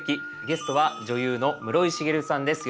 ゲストは女優の室井滋さんです。